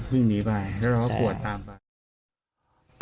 วิ่งหนีไปแล้วเราก็กวดตามไป